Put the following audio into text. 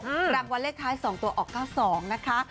รางวัลเลขท้าย๒ตัวออก๙๒นะคะ